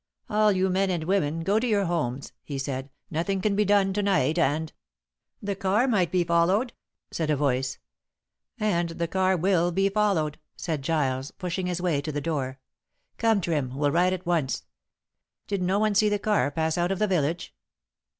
"All you men and women, go to your homes," he said. "Nothing can be done to night, and " "The car might be followed," said a voice. "And the car will be followed," said Giles, pushing his way to the door. "Come, Trim, we'll ride at once. Did no one see the car pass out of the village?"